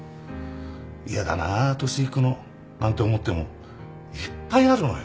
嫌だな年いくのなんて思ってもいっぱいあるのよ。